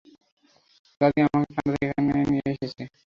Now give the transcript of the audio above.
দাদী আমাকে কানাডা থেকে এখানে নিয়ে এসেছে।